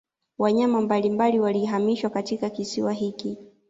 Wanyama mbalimbali walihamishiwa katika kisiwa hiki